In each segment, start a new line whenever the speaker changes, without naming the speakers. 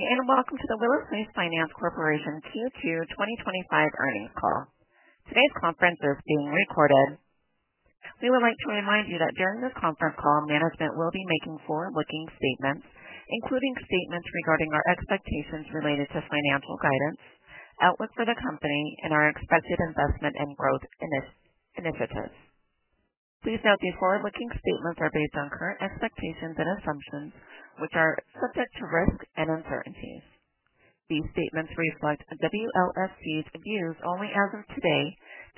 You're welcome to the Willis Lease Finance Corporation's Q2 2025 earnings call. Today's conference is being recorded. We would like to remind you that during this conference call, management will be making forward-looking statements, including statements regarding our expectations related to financial guidance, outlook for the company, and our expected investment and growth initiatives. Please note these forward-looking statements are based on current expectations and assumptions, which are subject to risk and uncertainties. These statements reflect the Willis Lease Finance Corporation's views only as of today.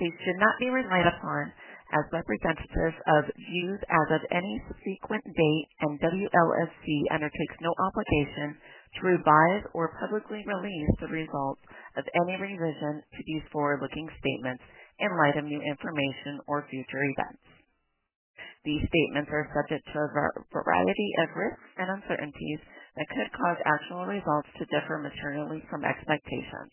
These should not be relied upon as representatives of views as of any subsequent date when Willis Lease Finance Corporation undertakes no obligation to revise or publicly release the results of any revision to these forward-looking statements in light of new information or future events. These statements are subject to a variety of risks and uncertainties that could cause actual results to differ materially from expectations.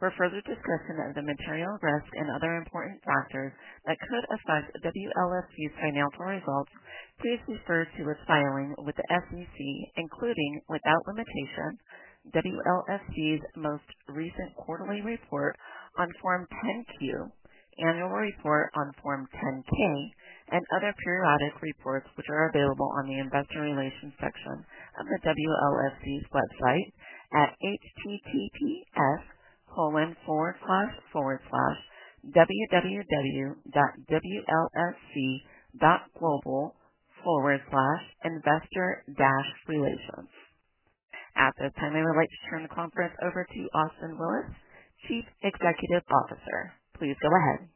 For further discussion of the material risk and other important factors that could affect Willis Lease Finance Corporation's financial results, please refer to its filing with the SEC, including, without limitation, Willis Lease Finance Corporation's most recent quarterly report on Form 10-Q, annual report on Form 10-K, and other periodic reports which are available on the Investor Relations section of the Willis Lease Finance Corporation's website at https://www.wlfc.global/investor-freelicence. At this time, I would like to turn the conference over to Austin Willis, Chief Executive Officer. Please go ahead.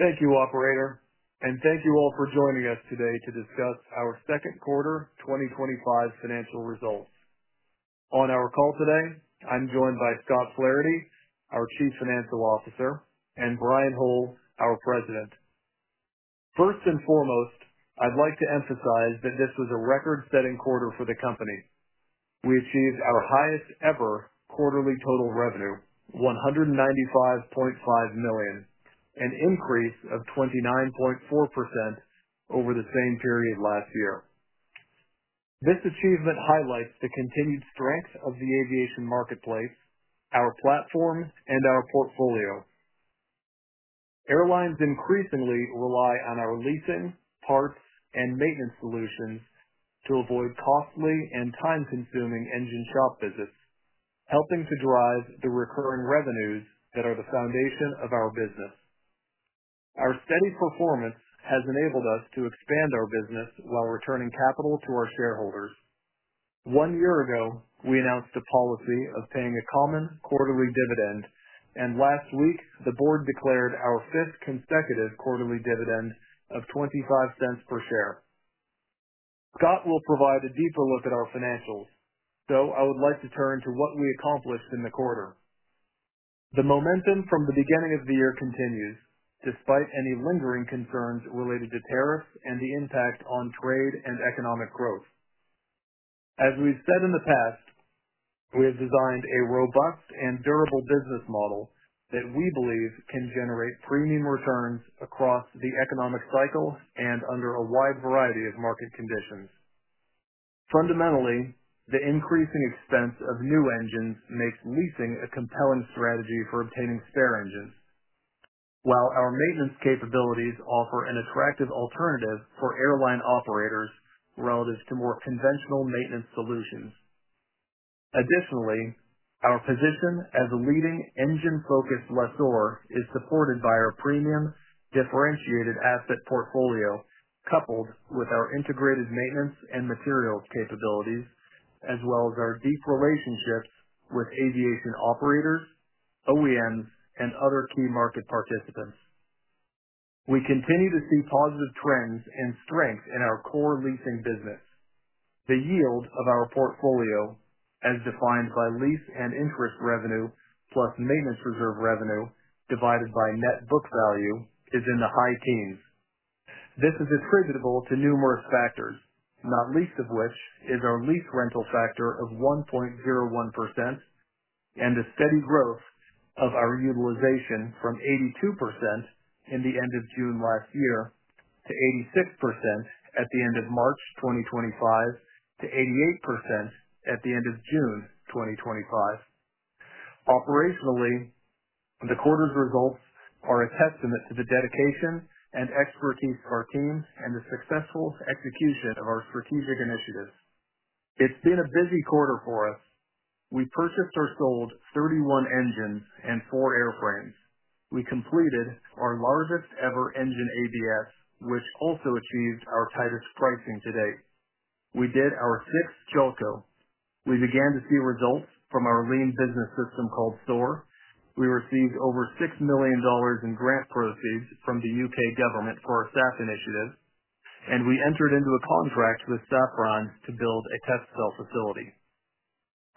Thank you, Operator, and thank you all for joining us today to discuss our second quarter 2025 financial results. On our call today, I'm joined by Scott Flaherty, our Chief Financial Officer, and Brian Hole, our President. First and foremost, I'd like to emphasize that this was a record-setting quarter for the company. We achieved our highest ever quarterly total revenue: $195.5 million, an increase of 29.4% over the same period last year. This achievement highlights the continued strength of the aviation marketplace, our platform, and our portfolio. Airlines increasingly rely on our leasing, parts, and maintenance solutions to avoid costly and time-consuming engine shop visits, helping to drive the recurring revenues that are the foundation of our business. Our steady performance has enabled us to expand our business while returning capital to our shareholders. One year ago, we announced a policy of paying a common quarterly dividend, and last week, the board declared our fifth consecutive quarterly dividend of $0.25 per share. Scott will provide a deeper look at our financials, so I would like to turn to what we accomplished in the quarter. The momentum from the beginning of the year continues, despite any lingering concerns related to tariffs and the impact on trade and economic growth. As we've said in the past, we have designed a robust and durable business model that we believe can generate premium returns across the economic cycle and under a wide variety of market conditions. Fundamentally, the increasing expense of new engines makes leasing a compelling strategy for obtaining spare engines, while our maintenance capabilities offer an attractive alternative for airline operators relative to more conventional maintenance solutions. Additionally, our position as a leading engine-focused lessor is supported by our premium, differentiated asset portfolio, coupled with our integrated maintenance and materials capabilities, as well as our deep relationships with aviation operators, OEMs, and other key market participants. We continue to see positive trends and strength in our core leasing business. The yield of our portfolio, as defined by lease and interest revenue plus maintenance reserve revenue divided by net book value, is in the high teens. This is attributable to numerous factors, not least of which is our lease rental factor of 1.01% and the steady growth of our utilization from 82% at the end of June last year to 86% at the end of March 2025 to 88% at the end of June 2025. Operationally, the quarter's results are a testament to the dedication and expertise of our team and the successful execution of our strategic initiatives It's been a busy quarter for us. We purchased or sold 31 engines and four airplanes. We completed our largest ever engine ABS, which also achieves our tightest pricing to date. We did our sixth JOCO. We began to see results from our lean business system called SOAR. We received over $6 million in grant proceeds from the U.K. government for our SAF initiative, and we entered into a contract with Safran to build a test cell facility.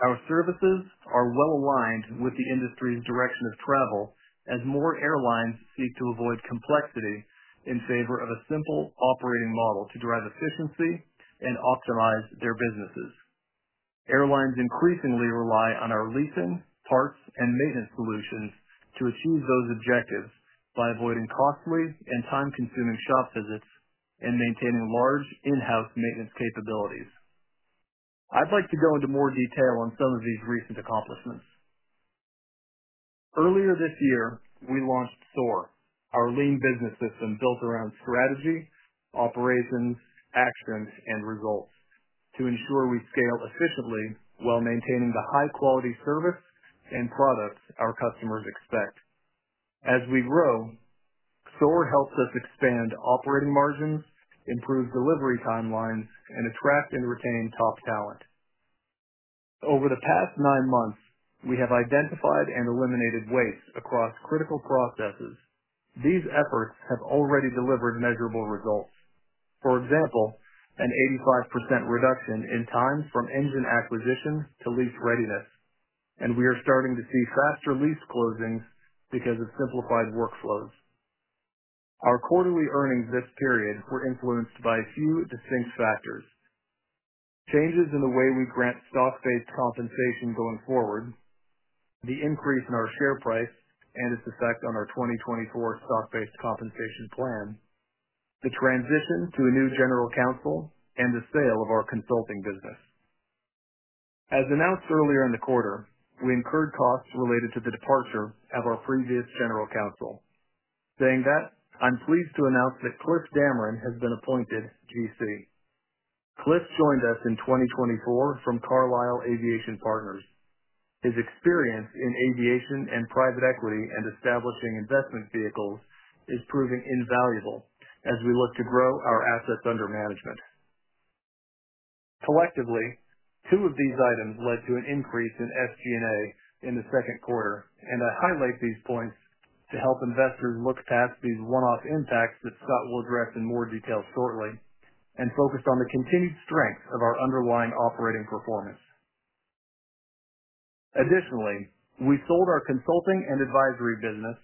Our services are well aligned with the industry's direction of travel as more airlines seek to avoid complexity in favor of a simple operating model to drive efficiency and optimize their businesses. Airlines increasingly rely on our leasing, parts, and maintenance solutions to achieve those objectives by avoiding costly and time-consuming shop visits and maintaining large in-house maintenance capabilities. I'd like to go into more detail on some of these recent accomplishments. Earlier this year, we launched SOAR, our lean business system built around strategy, operations, actions, and results to ensure we scale efficiently while maintaining the high-quality service and products our customers expect. As we grow, SOAR helps us expand operating margins, improve delivery timelines, and attract and retain top talent. Over the past nine months, we have identified and eliminated waste across critical processes. These efforts have already delivered measurable results. For example, an 85% reduction in time from engine acquisitions to lease readiness, and we are starting to see faster lease closings because of simplified workflows. Our quarterly earnings this period were influenced by a few distinct factors. Changes in the way we grant stock-based compensation going forward, the increase in our share price and its effect on our 2024 stock-based compensation plan, the transition to a new General Counsel, and the sale of our consulting business. As announced earlier in the quarter, we incurred costs related to the departures of our previous General Counsel. Saying that, I'm pleased to announce that Cliff Dameron has been appointed GC. Cliff joined us in 2024 from Carlyle Aviation Partners. His experience in aviation and private equity and establishing investment vehicles is proving invaluable as we look to grow our assets under management. Collectively, two of these items led to an increase in FCNA in the second quarter, and I highlight these points to help investors look past these one-off impacts that Scott will address in more detail shortly and focus on the continued strength of our underlying operating performance. Additionally, we sold our consulting and advisory business,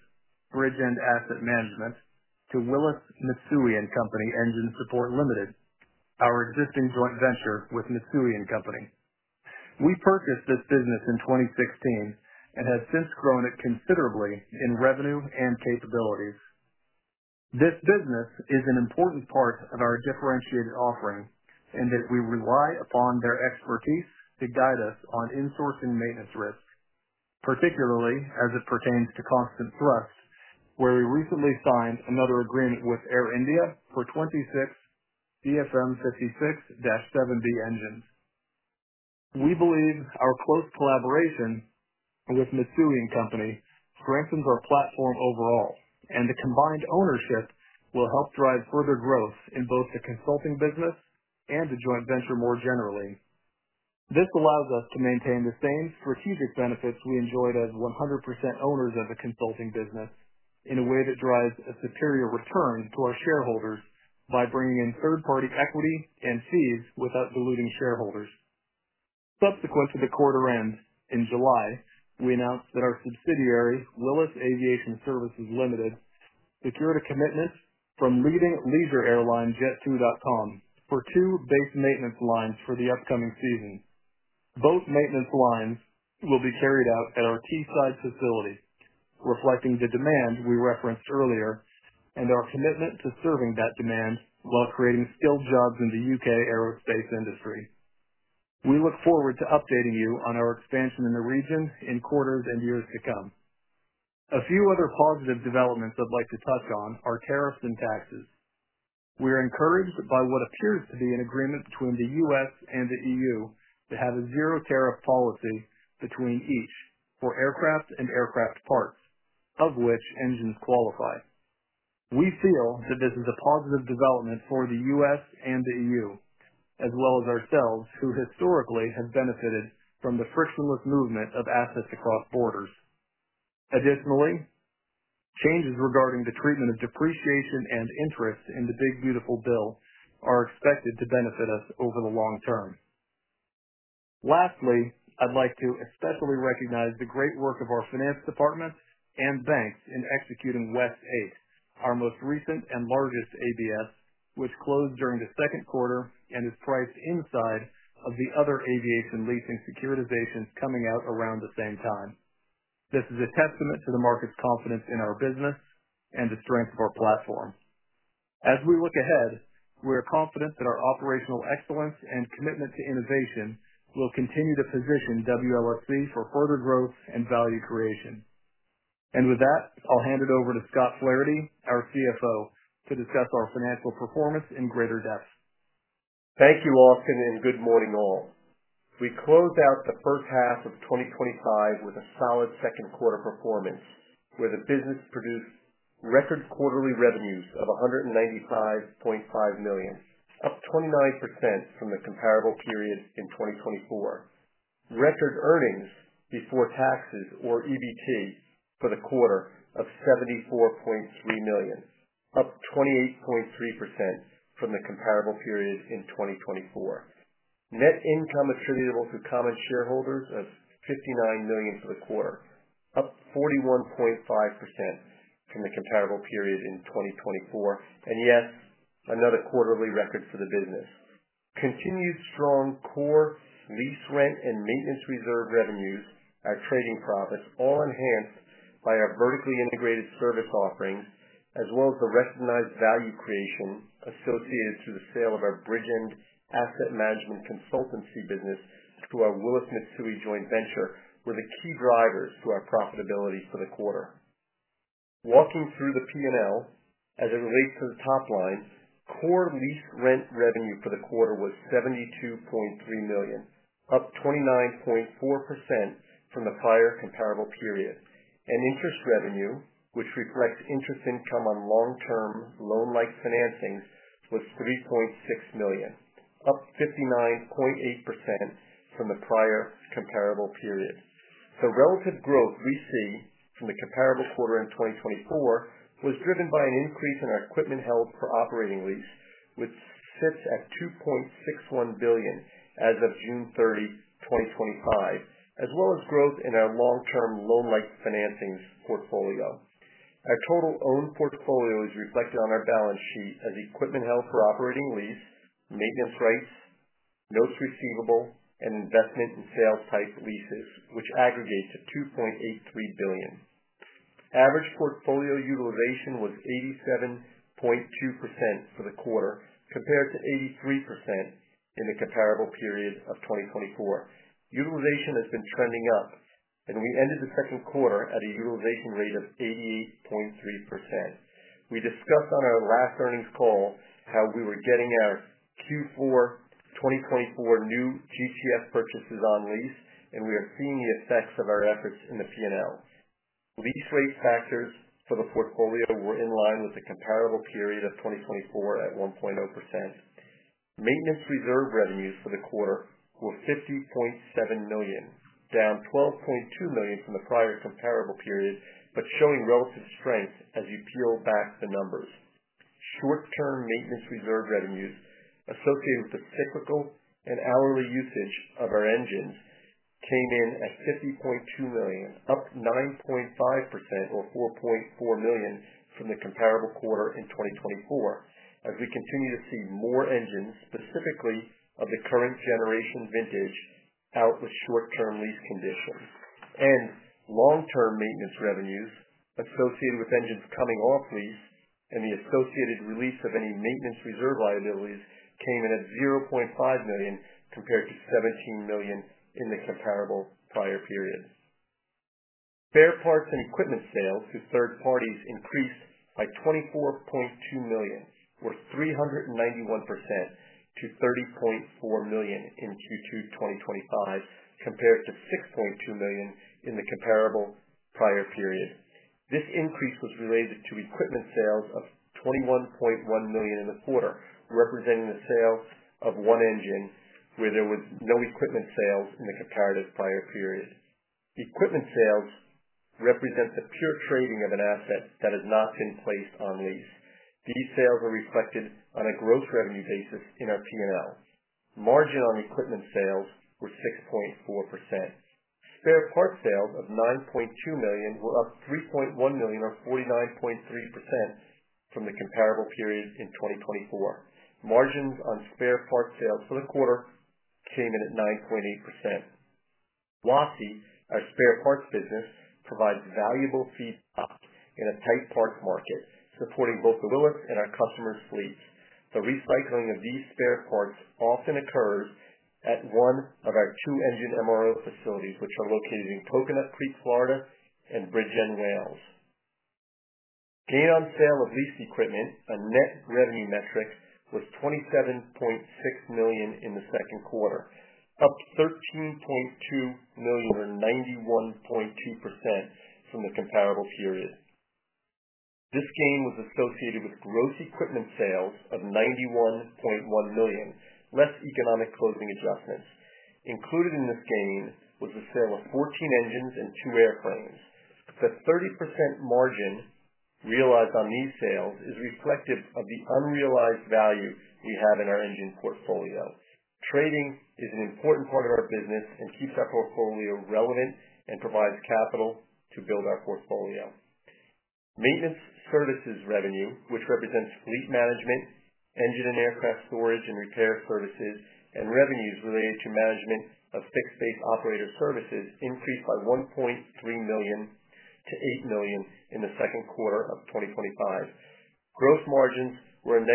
Bridgend Asset Management, to Willis Mitsui & Company Engine Support Limited, our existing joint venture with Mitsui & Co. We purchased this business in 2016 and have since grown it considerably in revenue and capabilities. This business is an important part of our differentiated offering in that we rely upon their expertise to guide us on insourcing maintenance risk, particularly as it pertains to constant thrust, where we recently signed another agreement with Air India for 26 CFM56-7B engines. We believe our close collaboration with Mitsui & Co. strengthens our platform overall, and the combined ownership will help drive further growth in both the consulting business and the joint venture more generally. This allows us to maintain the same strategic benefits we enjoyed as 100% owners of the consulting business in a way that drives a superior return to our shareholders by bringing in third-party equity and fees without diluting shareholders. Subsequent to the quarter end in July, we announced that our subsidiary, Willis Aviation Services Limited, secured a commitment from leading leisure airline Jet2.com for two base maintenance lines for the upcoming season. Both maintenance lines will be carried out at our Keyside facility, reflecting the demand we referenced earlier and our commitment to serving that demand while creating skilled jobs in the U.K. aerospace industry. We look forward to updating you on our expansion in the region in quarters and years to come. A few other positive developments I'd like to touch on are tariffs and taxes. We are encouraged by what appears to be an agreement between the U.S. and the EU to have a zero-tariff policy between each for aircraft and aircraft parts, of which engines qualify. We feel that this is a positive development for the U.S. and the EU, as well as ourselves, who historically have benefited from the frictionless movement of assets across borders. Additionally, changes regarding the treatment of depreciation and interest in the Big Beautiful Bill are expected to benefit us over the long term. Lastly, I'd like to especially recognize the great work of our finance departments and banks in executing WestAce, our most recent and largest ABS, which closed during the second quarter and is priced inside of the other aviation leasing securitizations coming out around the same time. This is a testament to the market's confidence in our business and the strength of our platform. As we look ahead, we are confident that our operational excellence and commitment to innovation will continue to position Willis Lease Finance Corporation for further growth and value creation. With that, I'll hand it over to Scott Flaherty, our CFO, to discuss our financial performance in greater depth.
Thank you, Austin, and good morning all. We closed out the first half of 2025 with a solid second quarter performance, where the business produced record quarterly revenues of $195.25 million, up 29% from the comparable period in 2024. Record earnings before taxes or EBT for the quarter of $74.3 million, up 28.3% from the comparable period in 2024. Net income attributable to common shareholders of $59 million for the quarter, up 41.5% from the comparable period in 2024, and yet another quarterly record for the business. Continued strong core lease rent and maintenance reserve revenue, our trading profits all enhanced by our vertically integrated service offering, as well as the recognized value creation associated through the sale of our Bridgend Asset Management consultancy business through our Willis Mitsui joint venture, were the key drivers to our profitability for the quarter. Walking through the P&L as it relates to the top line, core lease rent revenue for the quarter was $72.3 million, up 29.4% from the prior comparable period. Interest revenue, which we collect interest income on long-term loan-like financings, was $3.6 million, up 59.8% from the prior comparable period. The relative growth we see in the comparable quarter in 2024 was driven by an increase in our equipment held per operating lease, which sits at $2.61 billion as of June 30, 2025, as well as growth in our long-term loan-like financing portfolio. Our total owned portfolio is reflected on our balance sheet as equipment held per operating lease, maintenance rates, notes receivable, and investment and sales type leases, which aggregates at $2.83 billion. Average portfolio utilization was 87.2% for the quarter, compared to 83% in the comparable period of 2024. Utilization has been trending up, and we ended the second quarter at a utilization rate of 88.3%. We discussed on our last earnings call how we were getting our Q4 2024 new TCS purchases on lease, and we are seeing the effects of our efforts in the P&L. Lease rate factors for the portfolio were in line with the comparable period of 2024 at 1.0%. Maintenance reserve revenues for the quarter were $50.7 million, down $12.2 million from the prior comparable period, but showing relative strength as we peel back the numbers. Short-term maintenance reserve revenues associated with the cyclical and hourly usage of our engines came in at $50.2 million, up 9.5% or $4.4 million from the comparable quarter in 2024, as we continue to see more engines, specifically of the current generation vintage, out with short-term lease conditions. Long-term maintenance revenues associated with engines coming off lease and the associated release of any maintenance reserve liabilities came in at $0.5 million, compared to $17 million in the comparable prior period. Spare parts and equipment sales to third parties increased by $24.2 million, or 391%, to $30.4 million in Q2 2025, compared to $6.2 million in the comparable prior period. This increase was related to equipment sales of $21.1 million in the quarter, representing a sale of one engine where there were no equipment sales in the comparative prior period. Equipment sales represent the pure trading of an asset that has not been placed on lease. These sales are reflected on a gross revenue basis in our P&Ls. Margin on equipment sales was 6.4%. Spare part sales of $9.2 million were up $3.1 million or 49.3% from the comparable period in 2024. Margins on spare part sales for the quarter came in at 9.8%. Lossy, our spare parts business, provides valuable feedstock in a tight parts market, supporting both the Willis and our customers' fleets. The recycling of these spare parts often occurs at one of our two engine MRO facilities, which are located in Coconut Creek, Florida, and Bridgend, Wales. Gain on sale of lease equipment, a net revenue metric, was $27.6 million in the second quarter, up $13.2 million or 91.2% from the comparable period. This gain was associated with gross equipment sales of $91.1 million, less economic closing adjustments. Included in this gain was the sale of 14 engines and 2 airframes. The 30% margin realized on these sales is reflective of the unrealized value we have in our engine portfolio. Trading is an important part of our business and keeps our portfolio relevant and provides capital to build our portfolio. Maintenance services revenue, which represents fleet management, engine and aircraft storage and repair services, and revenues related to management of fixed-base operator services, increased by $1.3 million to $8 million in the second quarter of 2025. Gross margins were a -7%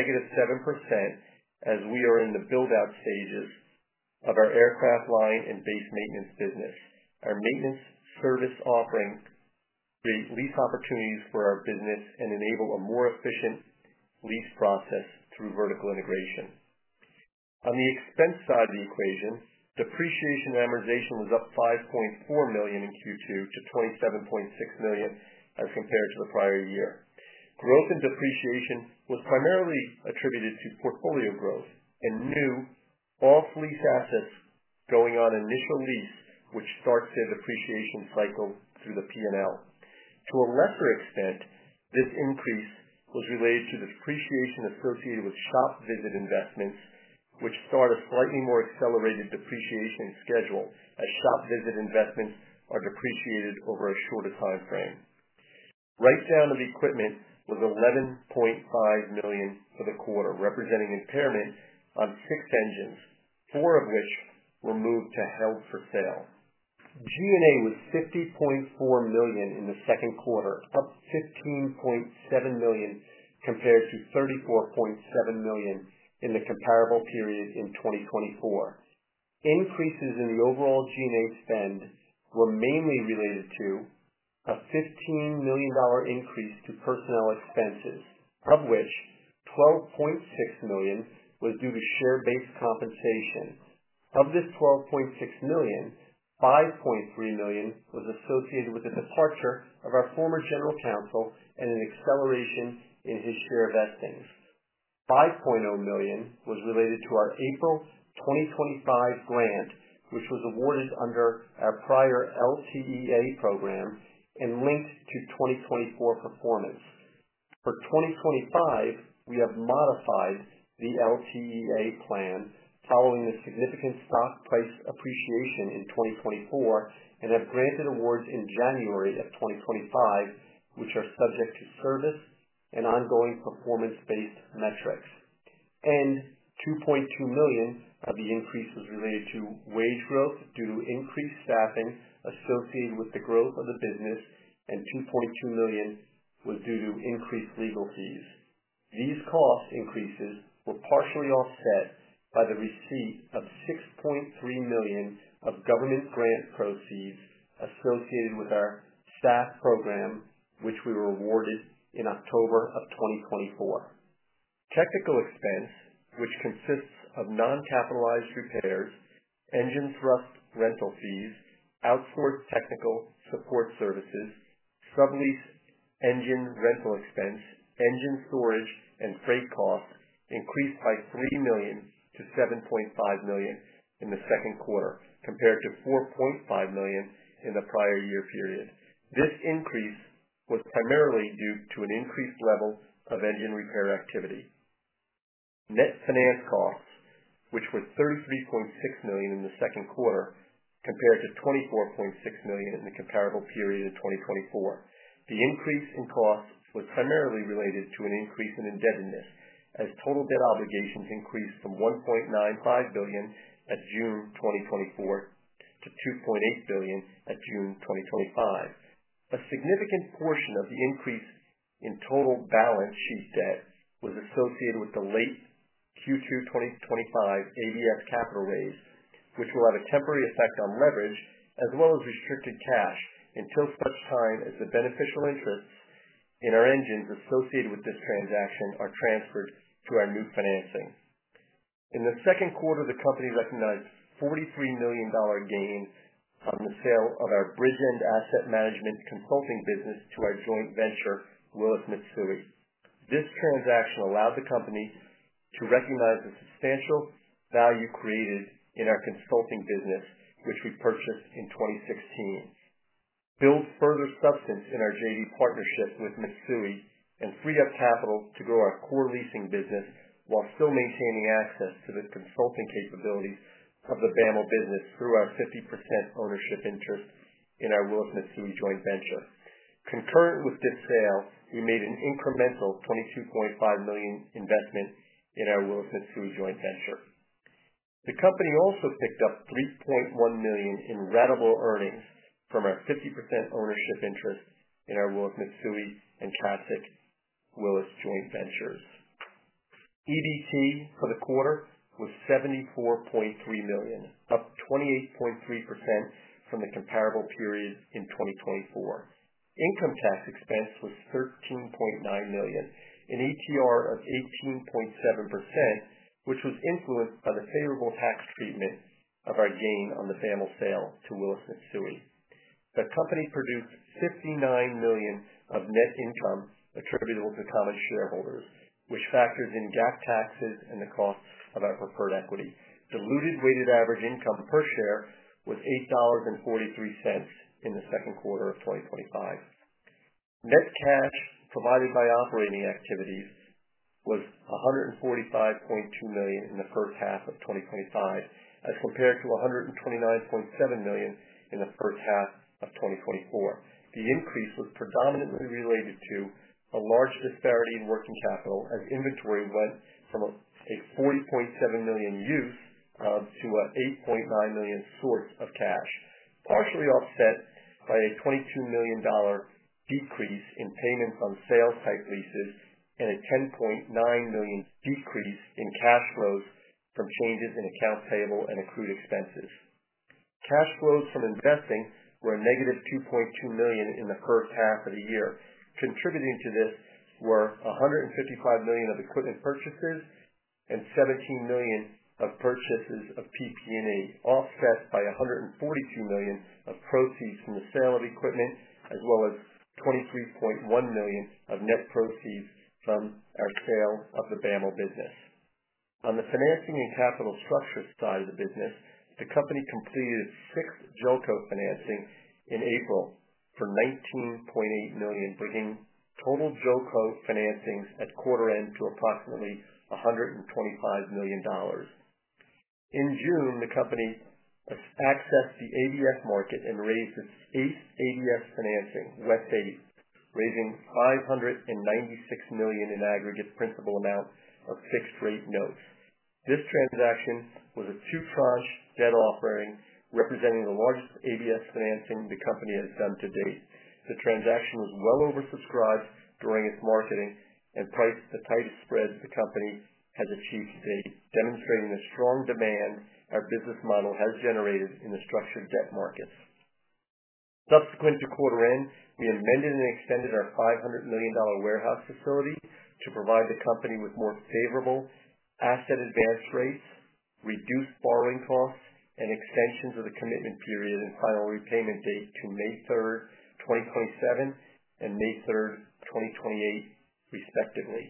as we are in the build-out stages of our aircraft line and base maintenance business. Our maintenance service offerings create lease opportunities for our business and enable a more efficient lease process through vertical integration. On the expense side of the equation, depreciation and amortization was up $5.4 million in Q2 to $27.6 million as compared to the prior year. Growth in depreciation was primarily attributed to portfolio growth and new off-lease assets going on initial lease, which starts the depreciation cycle through the P&L. To a lesser extent, this increase was related to the depreciation associated with shop visit investments, which start a slightly more accelerated depreciation schedule as shop visit investments are depreciated over a shorter timeframe. Write-down of equipment was $11.5 million for the quarter, representing impairment on six engines, four of which were moved to held for sale. G&A was $50.4 million in the second quarter, up $15.7 million compared to $34.7 million in the comparable period in 2024. Increases in the overall G&A spend were mainly related to a $15 million increase to personnel expenses, of which $12.6 million was due to share-based compensation. Of this $12.6 million, $5.3 million was associated with the departure of our former General Counsel and the acceleration in his care of Epton. $5.0 million was related to our April 2025 grant, which was awarded under our prior LTEA program and linked to 2024 performance. For 2025, we have modified the LTEA plan following a significant stock price appreciation in 2024 and have granted awards in January of 2025, which are subject to service and ongoing performance-based metrics. $2.2 million of the increase was related to wage growth due to increased staffing associated with the growth of the business, and $2.2 million was due to increased legal fees. These cost increases were partially offset by the receipt of $6.3 million of government grant proceeds associated with our SAF program, which we were awarded in October of 2024. Technical expense, which consists of non-capitalized repairs, engine thrust rental fees, outsourced technical support services, sublease engine rental expense, engine storage, and freight costs, increased by $3 million to $7.5 million in the second quarter, compared to $4.5 million in the prior year period. This increase was primarily due to an increased level of engine repair activity. Net finance costs, which were $33.6 million in the second quarter, compared to $24.6 million in the comparable period of 2024. The increase in costs was primarily related to an increase in indebtedness, as total debt obligations increased from $1.95 billion at June 2024 to $2.8 billion at June 2025. A significant portion of the increase in total balance sheet debt was associated with the late Q2 2025 ABS capital raise, which will have a temporary effect on leverage as well as restricted cash until such time as the beneficial interests in our engines associated with this transaction are transferred to our new financing. In the second quarter, the company recognized a $43 million gain on the sale of our Bridgend Asset Management consulting business to our joint venture, Willis Mitsui & Company Engine Support Limited. This transaction allowed the company to recognize the substantial value created in our consulting business, which we purchased in 2016, build further substance in our joint venture partnership with Mitsui & Co., and free up capital to grow our core leasing business while still maintaining access to the consulting capabilities of the Bridgend Asset Management business through our 50% ownership interest in our Willis Mitsui & Company Engine Support Limited joint venture. Concurrent with this sale, we made an incremental $22.5 million investment in our Willis Mitsui & Company Engine Support Limited joint venture. The company also picked up $3.1 million in rentable earnings from our 50% ownership interest in our Willis Mitsui & Company Engine Support Limited and Classic Willis joint venture. EBT for the quarter was $74.3 million, up 28.3% from the comparable period in 2024. Income tax expense was $13.9 million, an ATR of 18.7%, which was influenced by the favorable tax treatment of our gain on the Bridgend Asset Management sale to Willis Mitsui & Company Engine Support Limited. The company produced $59 million of net income attributable to common shareholders, which factors in GAAP taxes and the cost of our preferred equity. The diluted weighted average income per share was $8.43 in the second quarter of 2025. Net cash provided by operating activities was $145.2 million in the first half of 2025, as compared to $129.7 million in the first half of 2024. The increase was predominantly related to a large disparity in working capital as inventory went from a $40.7 million use to an $8.9 million source of cash, partially offset by a $22 million decrease in payments on sales type leases and a $10.9 million decrease in cash flows from changes in accounts payable and accrued expenses. Cash flows from investing were a -$2.2 million in the first half of the year. Contributing to this were $155 million of equipment purchases and $17 million of purchases of PP&E, offset by $142 million of proceeds from the sale of equipment, as well as $23.1 million of net proceeds from our sale of the Bama business. On the financing and capital structure side of the business, the company completed six JOCO financings in April for $19.8 million, bringing total JOCO financings at quarter end to approximately $125 million. In June, the company accessed the ABS market and raised its eighth ABS financing, WESTF, raising $596 million in aggregate principal amount of fixed-rate notes. This transaction was a two-pronged debt offering representing the largest ABS financing the company has done to date. The transaction was well oversubscribed during its marketing and priced the tightest spread the company has achieved to date, demonstrating the strong demand our business model has generated in the structured debt markets. Subsequent to quarter end, we amended and extended our $500 million warehouse facility to provide the company with more favorable asset advance rates, reduced borrowing costs, and extensions of the commitment period and final repayment dates to May 3, 2027 and May 3, 2028, respectively.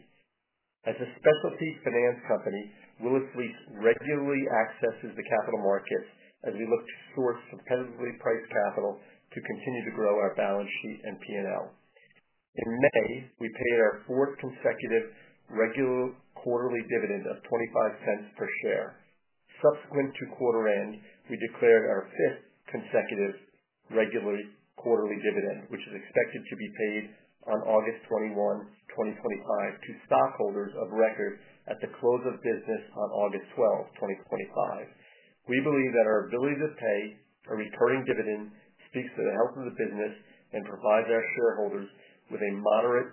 As a specialty finance company, Willis Lease Finance Corporation regularly accesses the capital markets as we look to source competitively priced capital to continue to grow our balance sheet and P&L. In May, we paid our fourth consecutive regular quarterly dividend of $0.25 per share. Subsequent to quarter end, we declared our fifth consecutive regular quarterly dividend, which is expected to be paid on August 21, 2025, to stockholders of record at the close of business on August 12, 2025. We believe that our ability to pay a recurring dividend speaks to the health of the business and provides our shareholders with a moderate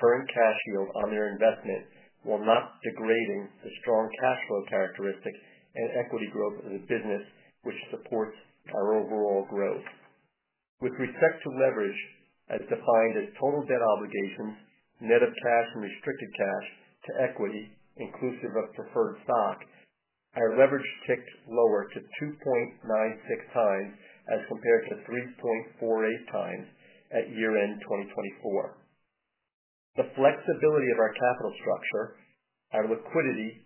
current cash yield on their investment while not degrading the strong cash flow characteristics and equity growth of the business, which supports our overall growth. With respect to leverage, as defined as total debt obligations, net of cash, and restricted cash to equity, inclusive of preferred stock, our leverage ticked lower to 2.96 times as compared to 3.48 times at year-end 2024. The flexibility of our capital structure, our liquidity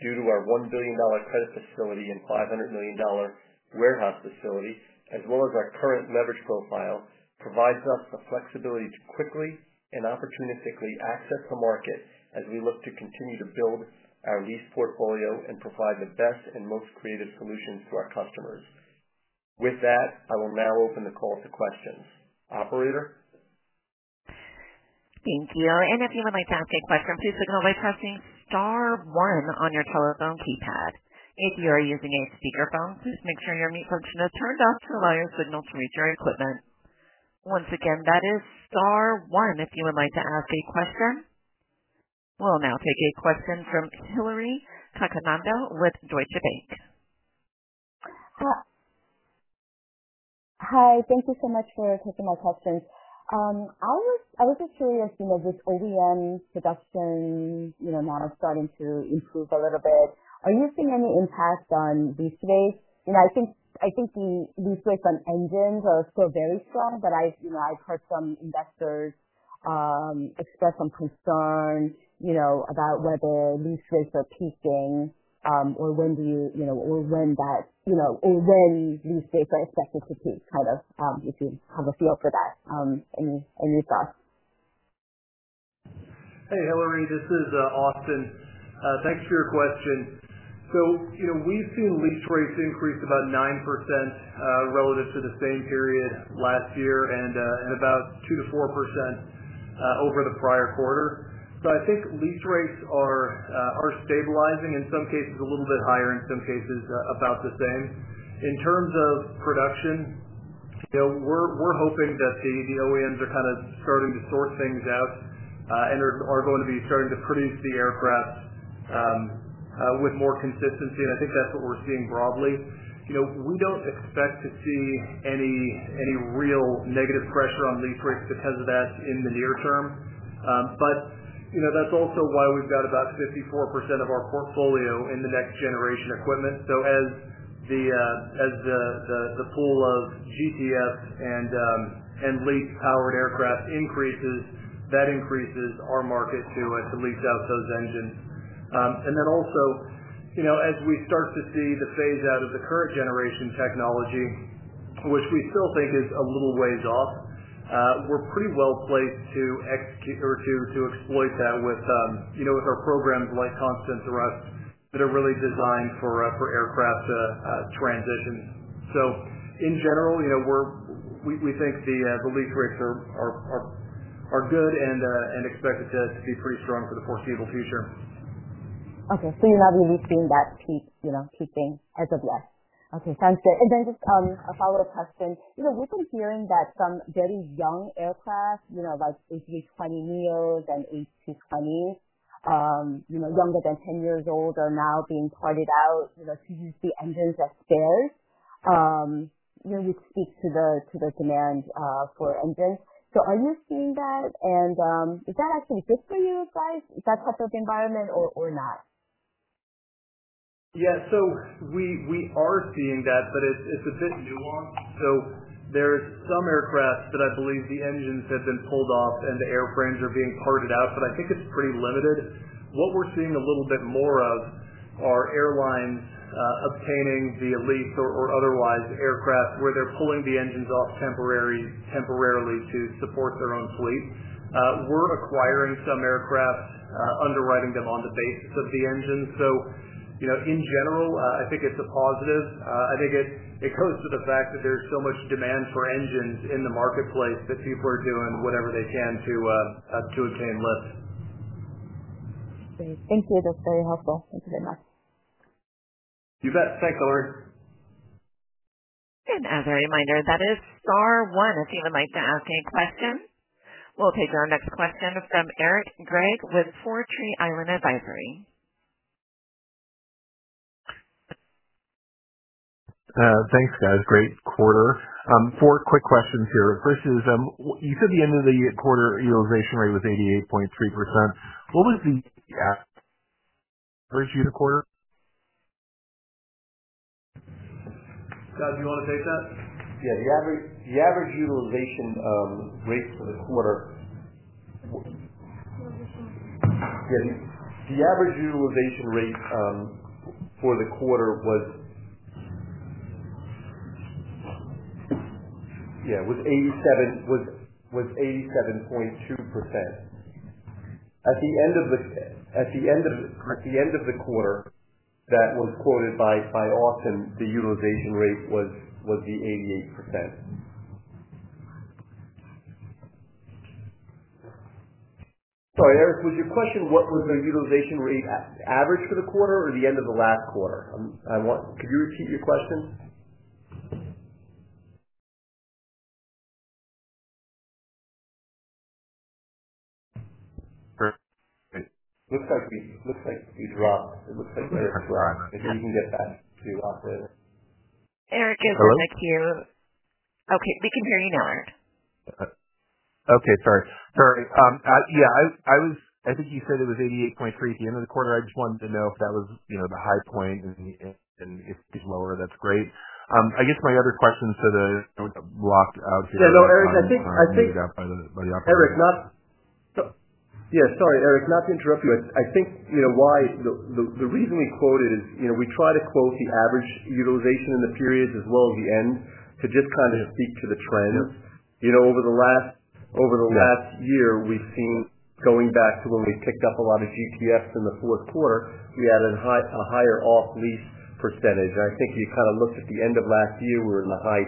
due to our $1 billion credit facility and $500 million warehouse facility, as well as our current leverage profile, provides us the flexibility to quickly and opportunistically access the market as we look to continue to build our lease portfolio and provide the best and most creative solutions to our customers. With that, I will now open the call for questions. Operator?
Thank you. If you would like to ask a question, please go ahead by pressing star one on your telephone keypad. If you are using a speakerphone, please make sure your mute function is turned off to allow your signal to reach your equipment. Once again, that is star one. If you would like to ask a question, we'll now take a question from Hillary Cacanando with Deutsche Bank.
Hi. Thank you so much for taking my question. I was just curious to know, with OEM production now that it's starting to improve a little bit, are you seeing any impacts on lease rates? I think the lease rates on engines are still very strong, but I've heard some investors express some concern about whether lease rates are peaking, or when lease rates are expected to peak, if you have a feel for that. Any thoughts?
Hey, Hillary, this is Austin. Thanks for your question. We've seen lease rates increase about 9% relative to the same period last year and about 2%-4% over the prior quarter. I think lease rates are stabilizing. In some cases, a little bit higher, in some cases, about the same. In terms of production, we're hoping that the OEMs are starting to source things out and are going to be starting to produce the aircraft with more consistency. I think that's what we're seeing broadly. We don't expect to see any real negative pressure on lease rates because of that in the near term. That's also why we've got about 54% of our portfolio in the next-generation equipment. As the pool of GTF and LEAP-powered aircraft increases, that increases our market to lease out those engines. Also, as we start to see the phase-out of the current generation technology, which we still think is a little ways off, we're pretty well placed to exploit that with our programs like Constant Zero that are really designed for aircraft transition. In general, we think the lease rates are good and expected to stay pretty strong for the foreseeable future.
Okay. You're not really seeing that peak, peaking as of last. Okay. Thanks for it. Just a follow-up question. We've been hearing that some very young aircraft, like A320 Neos and A220s, younger than 10 years old, are now being parted out to use the engines as spares. It speaks to the demand for engines. Are you seeing that? Is that actually good for you guys? Is that part of the environment or not?
Yeah. We are seeing that, but it's a bit nuanced. There are some aircraft that I believe the engines have been pulled off and the airframes are being parted out, but I think it's pretty limited. What we're seeing a little bit more of are airlines obtaining the lease or otherwise aircraft where they're pulling the engines off temporarily to support their own fleet. We're acquiring some aircraft, underwriting them on the basis of the engines. In general, I think it's a positive. I think it goes to the fact that there's so much demand for engines in the marketplace that people are doing whatever they can to attain lift.
Great. Thank you. That's very helpful. Thank you very much.
You bet. Thanks, Hillary.
As a reminder, that is star one if you would like to ask a question. We'll take our next question from Eric Gregg with Four Tree Island Advisory.
Thanks, guys. Great quarter. Four quick questions here. The first here is, you said the end of the quarter utilization rate was 88.3%. What was the average unit quarter?
Scott, do you want to take that?
The average utilization rates for the quarter.
Mm-hmm.
Yeah. The average utilization rate for the quarter was 87.2%. At the end of the quarter that was quoted by Austin, the utilization rate was 88%.
Sorry, Eric, was your question what was the utilization rate average for the quarter or the end of the last quarter? Can you repeat your question?
It looks like the draw, and we can get that to operator.
Eric is next here.
Hello.
Okay, we can hear you now, Eric.
Okay. Sorry. I think you said it was 88.3% at the end of the quarter. I just wanted to know if that was the high point, and if it's lower, that's great. I guess my other question is sort of blocked out too.
Yeah, no, Eric, I think.
Got.
I think you.
Got by the opportunity.
Eric, sorry, not to interrupt you, but I think, you know, why the reason we quote it is, you know, we try to quote the average utilization in the periods as well as the end to just kind of speak to the trend. Over the last year, we've seen, going back to when we picked up a lot of GTFs in the fourth quarter, we had a higher off-lease percentage. I think if you kind of looked at the end of last year, we were in the high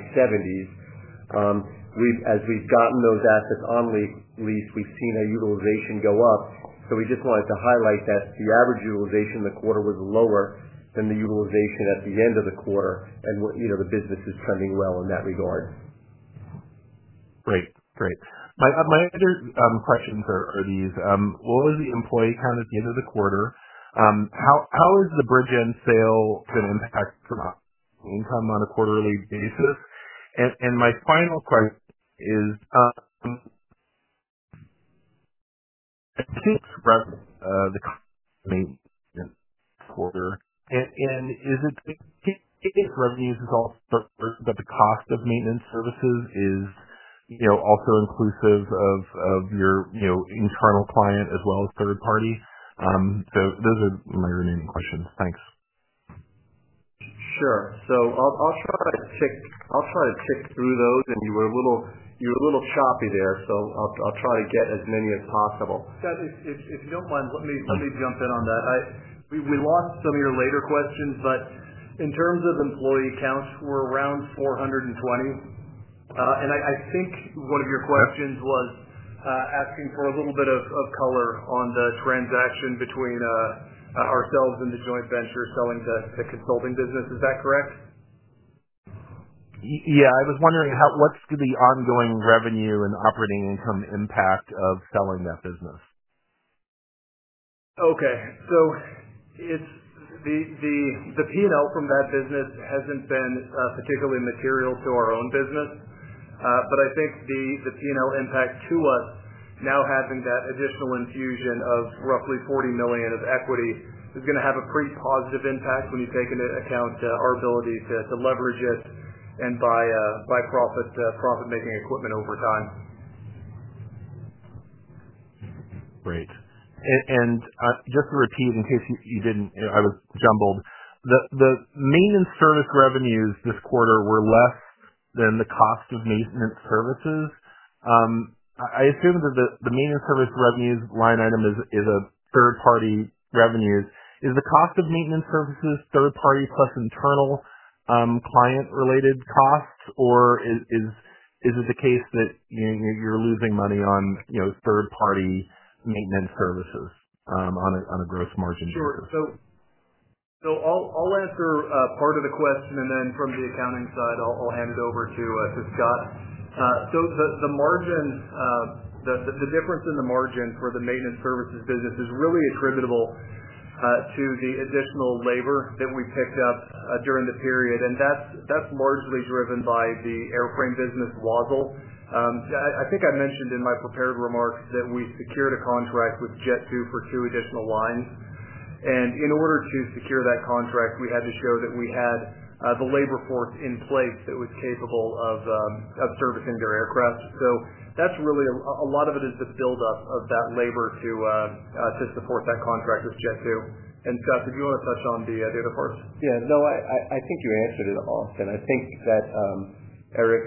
70%. As we've gotten those on lease, we've seen our utilization go up. We just wanted to highlight that the average utilization in the quarter was lower than the utilization at the end of the quarter, and the business is trending well in that regard.
Great. My other questions are these. What was the employee count at the end of the quarter? How is the Bridgend sale going to impact income on a quarterly basis? My final question is to express the cost of maintenance quarter, and is the revenues all for, but the cost of maintenance services is also inclusive of your internal client as well as third party? Those are my remaining questions. Thanks.
Sure. I'll try to stick through those. You were a little choppy there, so I'll try to get as many as possible. Scott, if you don't mind, let me jump in on that. We lost some of your later questions, but in terms of employee counts, we're around 420. I think one of your questions was asking for a little bit of color on the transaction between ourselves and the joint venture selling the consulting business. Is that correct?
Yeah, I was wondering, what's the ongoing revenue and operating income impact of selling that business?
Okay. The P&L from that business hasn't been particularly material to our own business. I think the P&L impact to us now having that additional infusion of roughly $40 million of equity is going to have a pretty positive impact when you take into account our ability to leverage it and buy profit-making equipment over time.
Great. Just to repeat in case you didn't, you know, I was jumbled, the maintenance service revenues this quarter were less than the cost of maintenance services. I assume that the maintenance service revenues line item is a third-party revenue. Is the cost of maintenance services third-party plus internal, client-related costs, or is it the case that you're losing money on third-party maintenance services, on a gross margin?
Sure. I'll answer part of the question, and then from the accounting side, I'll hand over to Scott. The margin, the difference in the margin for the maintenance services business is really attributable to the additional labor that we picked up during the period. That's largely driven by the airframe business, Wasl. I think I mentioned in my prepared remarks that we secured a contract with Jet2 for two additional lines. In order to secure that contract, we had to show that we had the labor force in place that was capable of servicing their aircraft. That's really a lot of it, just buildup of that labor to support that contract with Jet2. Scott, did you want to touch on the data force?
Yeah. No, I think you answered it all. I think that, Eric,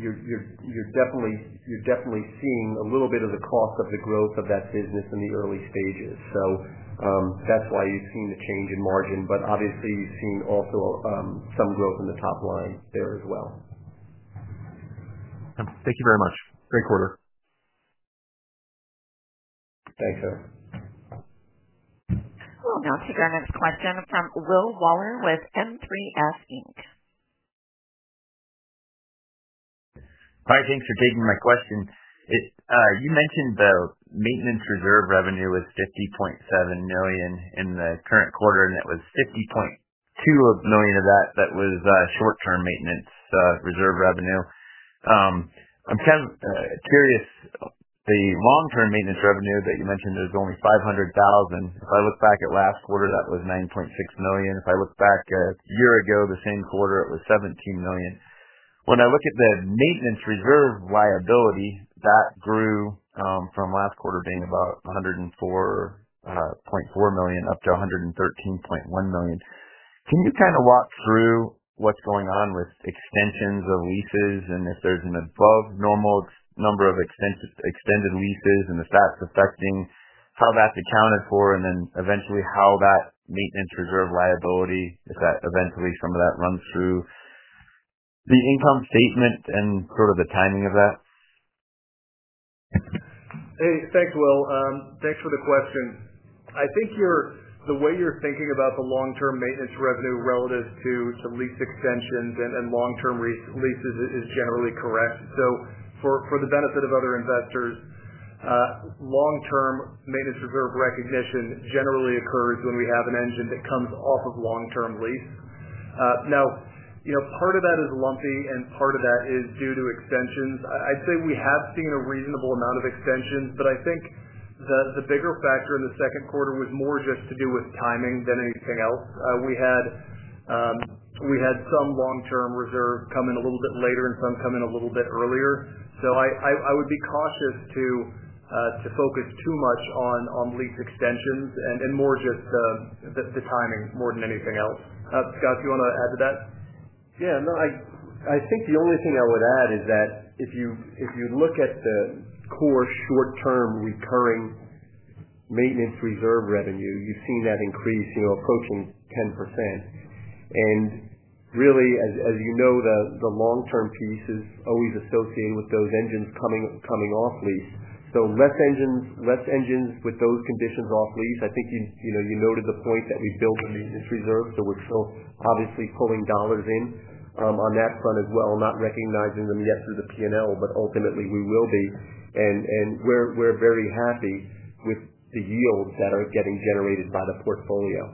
you're definitely seeing a little bit of the cost of the growth of that business in the early stages. That's why you've seen the change in margin. Obviously, you've seen also some growth in the top line there as well.
Okay. Thank you very much. Great quarter.
Thanks, Eric.
We'll take our next question from Will Waller with M3.
Hi. Thanks for taking my question. You mentioned the maintenance reserve revenue was $50.7 million in the current quarter, and it was $50.2 million of that that was short-term maintenance reserve revenue. I'm kind of curious. The long-term maintenance revenue that you mentioned is only $500,000. If I look back at last quarter, that was $9.6 million. If I look back a year ago, the same quarter, it was $17 million. When I look at the maintenance reserve liability, that grew from last quarter being about $104.4 million up to $113.1 million. Can you kind of walk through what's going on with extensions of leases and if there's an above-normal number of extensive extended leases and the stats affecting how that's accounted for, and then eventually how that maintenance reserve liability, if that eventually some of that runs through the income statement and sort of the timing of that?
Hey, thanks, Will. Thanks for the question. I think the way you're thinking about the long-term maintenance revenue relative to some lease extensions and long-term leases is generally correct. For the benefit of other investors, long-term maintenance reserve recognition generally occurs when we have an engine that comes off of long-term lease. Now, part of that is lumpy, and part of that is due to extensions. I'd say we have seen a reasonable amount of extensions, but I think the bigger factor in the second quarter was more just to do with timing than anything else. We had some long-term reserve come in a little bit later and some come in a little bit earlier. I would be cautious to focus too much on lease extensions and more just the timing more than anything else. Scott, do you want to add to that?
I think the only thing I would add is that if you look at the core short-term recurring maintenance reserve revenue, you've seen that increase, you know, approaching 10%. Really, as you know, the long-term piece is always associated with those engines coming off lease. Less engines with those conditions off lease. I think you noted the point that we build the maintenance reserve, so we're still obviously pulling dollars in on that front as well, not recognizing them yet through the P&L, but ultimately, we will be. We're very happy with the yields that are getting generated by the portfolio.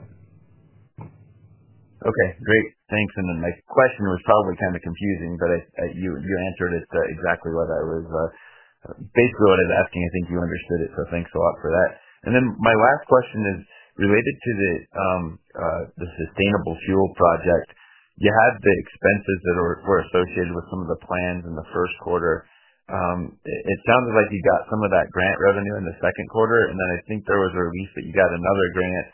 Okay. Great. Thanks. My question was probably kind of confusing, but you answered it, exactly what I was basically asking. I think you understood it, so thanks a lot for that. My last question is related to the sustainable fuel project. You had the expenses that were associated with some of the plans in the first quarter. It sounded like you got some of that grant revenue in the second quarter, and then I think there was a release that you got another grant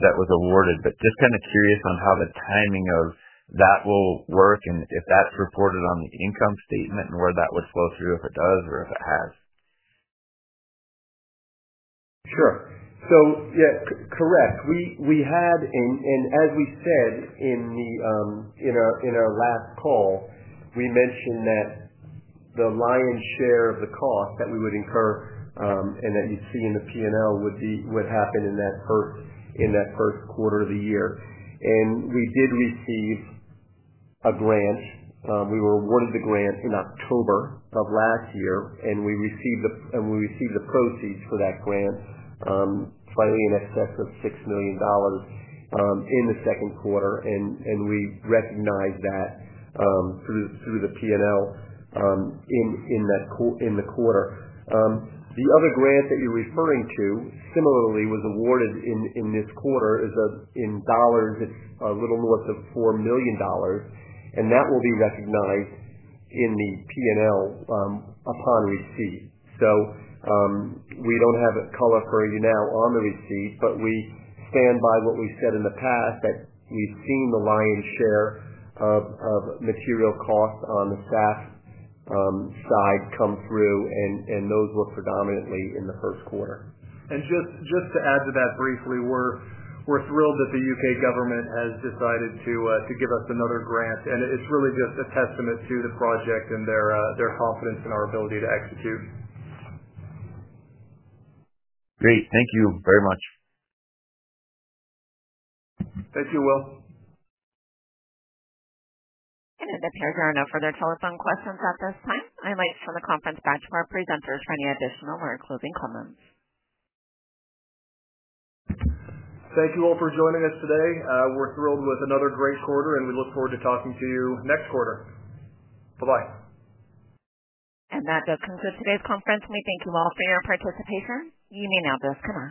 that was awarded. Just kind of curious on how the timing of that will work and if that's reported on the income statement and where that would flow through if it does or if it has.
Sure. Correct. We had, and as we said in our last call, we mentioned that the lion's share of the cost that we would incur, and that you see in the P&L, would happen in that first quarter of the year. We did receive a grant. We were awarded the grant in October of last year, and we received the proceeds for that grant, finally in excess of $6 million, in the second quarter. We recognized that through the P&L in that quarter. The other grant that you're referring to similarly was awarded in this quarter. In dollars, it's a little north of $4 million, and that will be recognized in the P&L upon receipt. We don't have a color for you now on the receipt, but we stand by what we said in the past that you've seen the lion's share of material costs on the SAF side come through, and those were predominantly in the first quarter.
Just to add to that briefly, we're thrilled that the U.K. government has decided to give us another grant. It's really just a testament to the project and their confidence in our ability to execute.
Great. Thank you very much.
Thank you, Will.
The panelists are now for their telephone questions at this time. I might turn the conference back to our presenters for any additional or closing comments.
Thank you all for joining us today. We're thrilled with another great quarter, and we look forward to talking to you next quarter. Bye-bye.
That does conclude today's conference. We thank you all for your participation. You may now press comma.